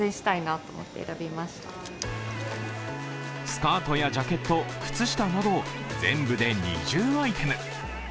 スカートやジャケット、靴下など全部で２０アイテム。